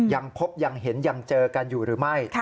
ยังพบยังเห็นยังเจอกันอยู่หรือไม่